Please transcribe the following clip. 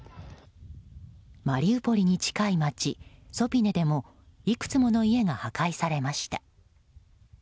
マリウポリに近い街ソピネでもいくつもの家が破壊されました。